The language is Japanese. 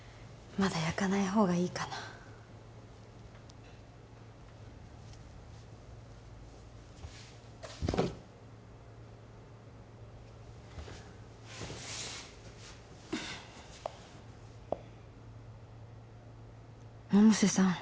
まだ焼かないほうがいいかな百瀬さん